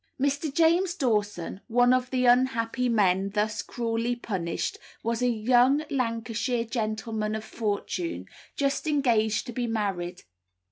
Mr. James Dawson, one of the unhappy men thus cruelly punished, was a young Lancashire gentleman of fortune, just engaged to be married.